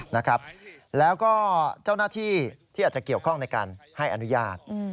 แล้วก็เจ้าหน้าที่ที่อาจจะเกี่ยวข้องในการให้อนุญาต